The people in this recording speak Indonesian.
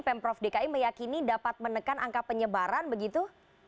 pemprov dki meyakini dapat menekan angka penyebaran begitu